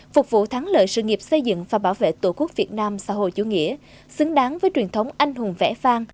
phục vụ thắng lợi sự nghiệp xây dựng và bảo vệ tổ quốc việt nam xã hội chủ nghĩa xứng đáng với truyền thống anh hùng vẽ vang